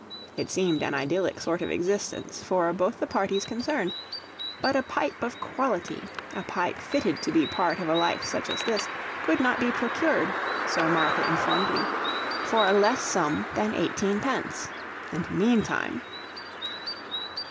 It seemed an idyllic sort of existence, for both the parties concerned; but a pipe of quality, a pipe fitted to be part of a life such as this, could not be procured (so Martha informed me) for a less sum than eighteen pence. And meantime